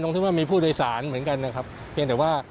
ที่ว่ามีผู้โดยสารเหมือนกันนะครับเพียงแต่ว่า